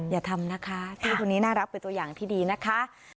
อย่าทำนะคะพี่คนนี้น่ารักเป็นตัวอย่างที่ดีนะคะ